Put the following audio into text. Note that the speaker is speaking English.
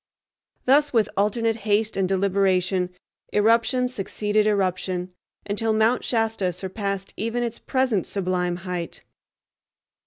Thus with alternate haste and deliberation eruption succeeded eruption, until Mount Shasta surpassed even its present sublime height.